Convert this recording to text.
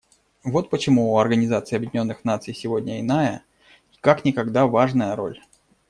Вот почему у Организации Объединенных Наций сегодня иная и как никогда важная роль.